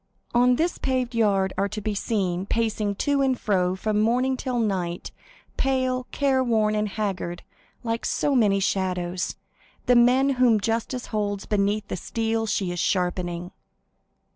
On this paved yard are to be seen,—pacing to and fro from morning till night, pale, careworn, and haggard, like so many shadows,—the men whom justice holds beneath the steel she is sharpening.